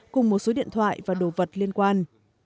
cùng một số điện thoại và đồ vật liên quan